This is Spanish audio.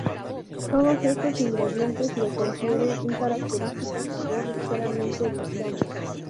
Todos estos ingredientes le confieren un característico sabor ligeramente dulzón.